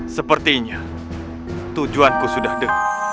sepertinya tujuanku sudah ada